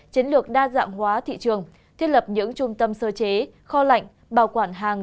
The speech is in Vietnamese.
chiến lược đa dạng hóa thị trường thiết lập những trung tâm sơ chế kho lạnh bảo quản hàng